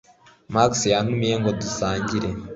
Max yantumiye ngo dusangire